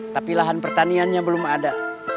tapi lahan pertaniannya belum ada